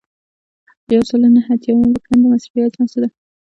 یو سل او نهه اتیایمه پوښتنه د مصرفي اجناسو ده.